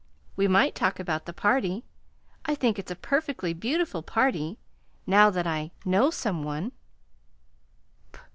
We might talk about the party. I think it's a perfectly beautiful party now that I know some one."